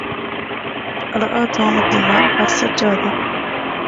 راى توم الدماء على السجادة.